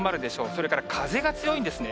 それから風が強いんですね。